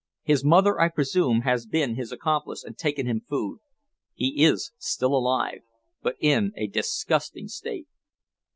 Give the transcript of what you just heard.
His mother, I presume, has been his accomplice and taken him food. He is still alive but in a disgusting state."